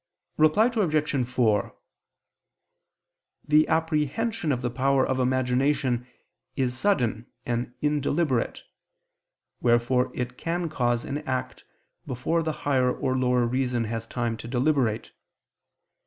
Reply Obj. 4: The apprehension of the power of imagination is sudden and indeliberate: wherefore it can cause an act before the higher or lower reason has time to deliberate.